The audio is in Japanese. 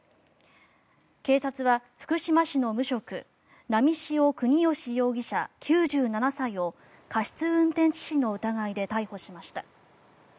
警察は福島市の無職波汐國芳容疑者、９７歳を過失運転致死の疑いで逮捕しました。